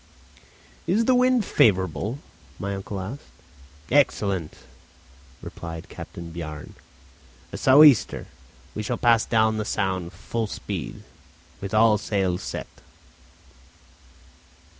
"Is the wind favourable?" my uncle asked. "Excellent," replied Captain Bjarne; "a sou' easter. We shall pass down the Sound full speed, with all sails set."